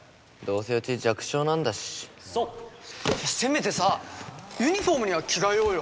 せめてさユニフォームには着替えようよ。